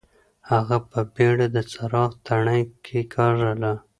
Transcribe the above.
هغه په بېړه د څراغ تڼۍ کېکاږله.